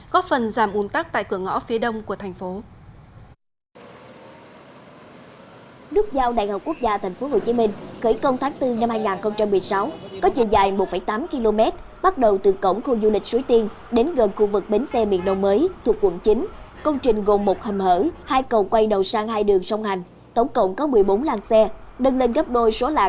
góp phần giảm uốn tắc tại cửa ngõ